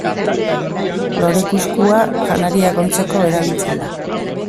Lore-kuskua janariak ontzeko erabiltzen da.